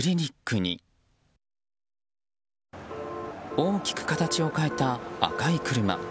大きく形を変えた赤い車。